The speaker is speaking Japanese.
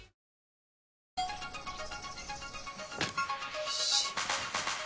よし。